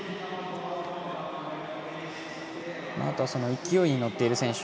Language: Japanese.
あとは勢いに乗っている選手。